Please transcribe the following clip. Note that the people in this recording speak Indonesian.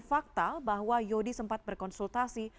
fakta bahwa yodi sempat berkonsultasi